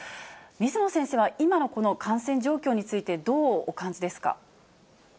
水野先生は今のこの感染状況について、どうお感じですか。